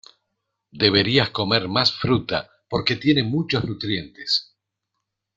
Deberías comer más fruta porque tienen muchos nutrientes.